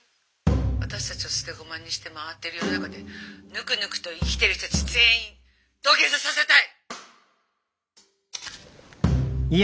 「私たちを捨て駒にして回ってる世の中でぬくぬくと生きている人たち全員土下座させたい！」。